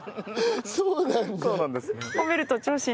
そうなんだ。